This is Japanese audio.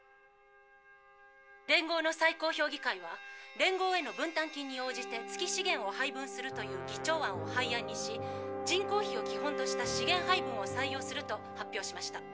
「連合の最高評議会は連合への分担金に応じて月資源を配分するという議長案を廃案にし『人口比を基本とした資源配分を採用する』と発表しました。